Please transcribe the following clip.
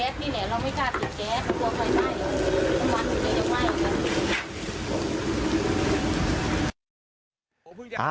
กลัวไฟไหม้ันมากบางครั้งจะจะไหว